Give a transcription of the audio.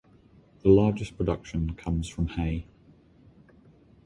The largest production comes from hay.